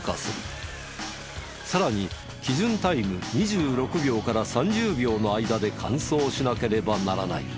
さらに基準タイム２６秒から３０秒の間で完走しなければならない。